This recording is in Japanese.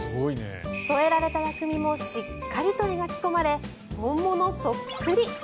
添えられた薬味もしっかりと描き込まれ本物そっくり。